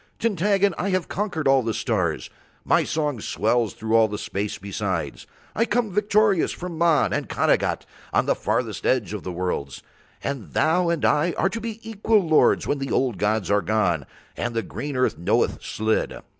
Tintaggon, I have conquered all the stars, my song swells through all the space besides, I come victorious from Mahn and Khanagat on the furthest edge of the worlds, and thou and I are to be equal lords when the old gods are gone and the green earth knoweth Slid.